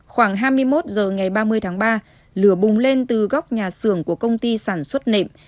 khoảng hai mươi một h ngày ba mươi tháng ba lửa bùng lên từ góc nhà xưởng của công ty sản xuất nệm